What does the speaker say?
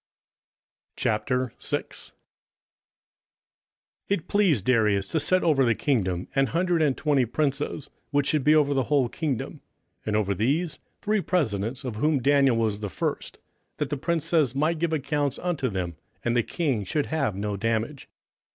27:006:001 It pleased Darius to set over the kingdom an hundred and twenty princes, which should be over the whole kingdom; 27:006:002 And over these three presidents; of whom Daniel was first: that the princes might give accounts unto them, and the king should have no damage.